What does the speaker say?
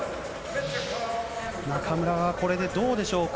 中村はこれでどうでしょうか。